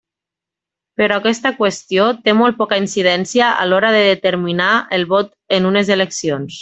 Però aquesta qüestió té molt poca incidència a l'hora de determinar el vot en unes eleccions.